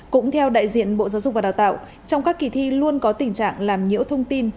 cũng theo đại diện bộ giáo dục và đào tạo trong các kỳ thi luôn có tình trạng làm nhiễu thông tin